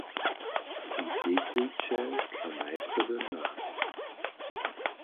Integrujće tla najprjedy nas.